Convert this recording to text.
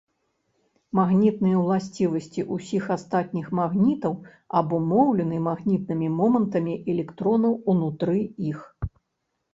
Магнітныя ўласцівасці ўсіх астатніх магнітаў абумоўлены магнітнымі момантамі электронаў унутры іх.